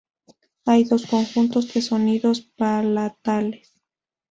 Hay dos conjuntos de sonidos palatales.